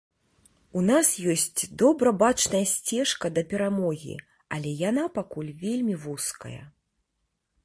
У нас ёсць добра бачная сцежка да перамогі, але яна пакуль вельмі вузкая.